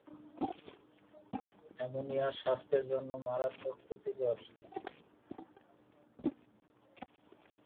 Ammonia মানুষের স্বাস্থ্যের জন্য মারাত্মক ক্ষতিকর।